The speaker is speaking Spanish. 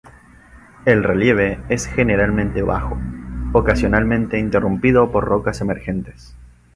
El relieve es generalmente bajo, ocasionalmente interrumpido por rocas emergentes.